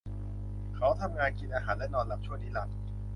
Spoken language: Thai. เขาทำงาน กินอาหารและนอนหลับชั่วนิรันดร์ !